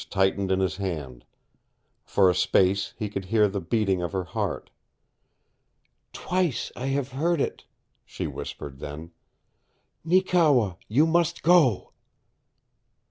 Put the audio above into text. Her fingers tightened in his hand. For a space he could hear the beating of her heart. "Twice I have heard it," she whispered then. "Neekewa, you must go!"